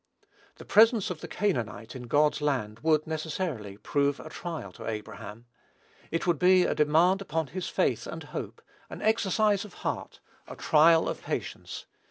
The presence of the Canaanite in God's land would, necessarily, prove a trial to Abraham. It would be a demand upon his faith and hope, an exercise of heart, a trial of patience.